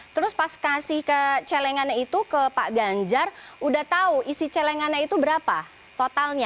terus pas kasih ke celengan itu ke pak ganjar udah tahu isi celengannya itu berapa totalnya